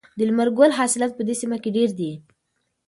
د لمر ګل حاصلات په دې سیمه کې ډیر دي.